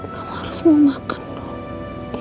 kamu harus mau makan dong ya